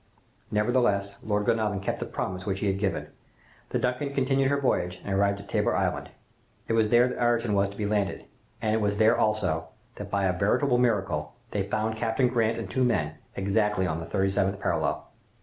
"Nevertheless, Lord Glenarvan kept the promise which he had given. The 'Duncan' continued her voyage and arrived at Tabor Island. It was there that Ayrton was to be landed, and it was there also that, by a veritable miracle, they found Captain Grant and two men, exactly on the thirty seventh parallel.